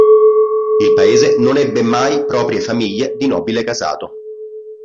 Il paese non ebbe mai proprie famiglie di nobile casato.